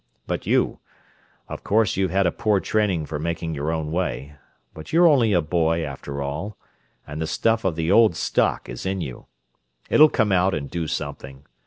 But you—of course you've had a poor training for making your own way, but you're only a boy after all, and the stuff of the old stock is in you. It'll come out and do something.